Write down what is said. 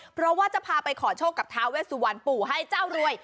เพราะว่าจะพาไปขอโชคกับท้าเวสวันปู่ให้เจ้ารวย